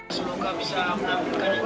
semoga bisa menampungkan yang terbaik